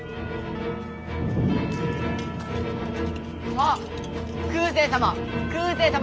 あっ空誓様